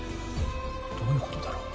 どういうことだろう。